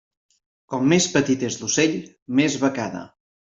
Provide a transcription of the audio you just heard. Com més petit és l'ocell, més becada.